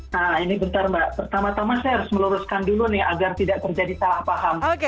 nah ini bentar mbak pertama tama saya harus meluruskan dulu nih agar tidak terjadi salah paham